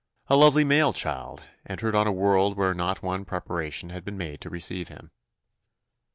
a lovely male child, entered on a world where not one preparation had been made to receive him.